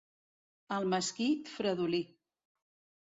El mesquí, fredolí.